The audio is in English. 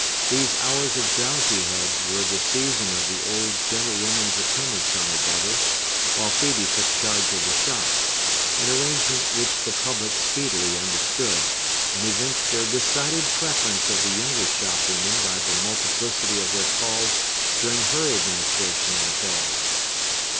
These hours of drowsihead were the season of the old gentlewoman's attendance on her brother, while Phœbe took charge of the shop; an arrangement which the public speedily understood, and evinced their decided preference of the younger shopwoman by the multiplicity of their calls during her administration of affairs.